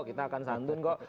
kita akan santun kok